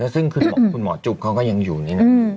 ซึ่งคุณหมอจุ๊บเขาก็ยังอยู่นี่นะ